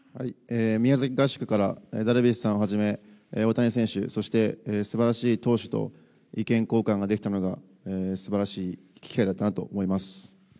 宮崎合宿からダルビッシュさんをはじめ、大谷選手、そしてすばらしい投手と意見交換ができたのがすばらしい機会だったなと思います。